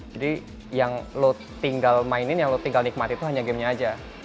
jadi yang lo tinggal mainin yang lo tinggal nikmati itu hanya gamenya aja